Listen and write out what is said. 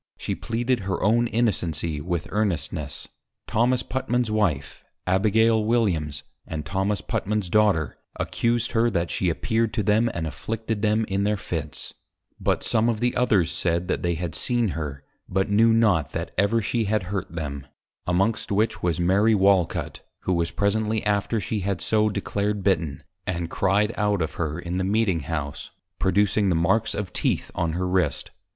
_ She pleaded her own Innocency with earnestness. Thomas Putman's Wife, Abigail Williams, and Thomas Putman's Daughter accused her that she appeared to them, and afflicted them in their Fits; but some of the others said, that they had seen her, but knew not that ever she had hurt them; amongst which was Mary Walcut, who was presently after she had so declared bitten, and cryed out of her in the Meeting House, producing the Marks of Teeth on her wrist.